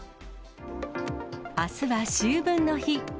あすは秋分の日。